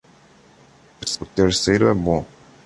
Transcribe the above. O terceiro é bom.